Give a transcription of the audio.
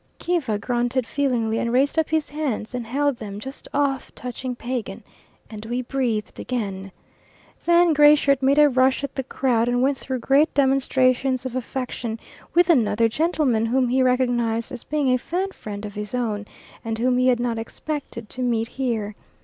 Kiva grunted feelingly, and raised up his hands and held them just off touching Pagan, and we breathed again. Then Gray Shirt made a rush at the crowd and went through great demonstrations of affection with another gentleman whom he recognised as being a Fan friend of his own, and whom he had not expected to meet here.